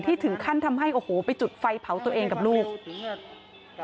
ถึงขั้นทำให้โอ้โหไปจุดไฟเผาตัวเองกับลูก